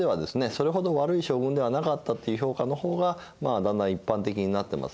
それほど悪い将軍ではなかったっていう評価の方がだんだん一般的になってますね。